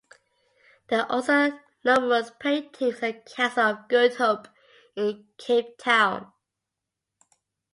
There are also numerous paintings at the Castle of Good Hope in Cape Town.